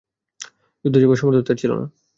যুদ্ধে যাবার সামর্থ্য তার ছিল না।